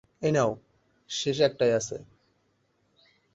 এই নাও, শেষ একটাই আছে।